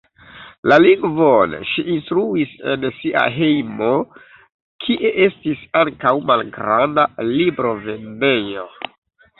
La lingvon ŝi instruis en sia hejmo, kie estis ankaŭ malgranda librovendejo.